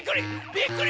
びっくり！